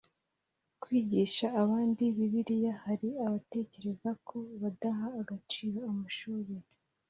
kwigisha abandi bibiliya hari abatekereza ko badaha agaciro amashuri